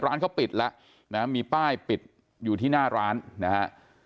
ร้านเขาปิดแล้วนะมีป้ายปิดอยู่ที่หน้าร้านนะฮะ